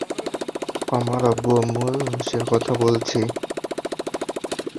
আমার আব্বু-আম্মুর লাশের কথা বলছি।